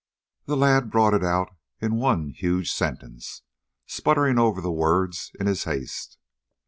The lad brought it out in one huge sentence, sputtering over the words in his haste.